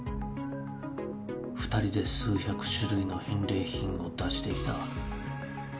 ２人で数百種類の返礼品を出してきた。